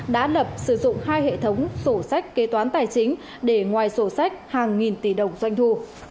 đã lập sử dụng hai hệ thống sổ sách kế toán tài chính để ngoài sổ sách hàng nghìn tỷ đồng doanh thu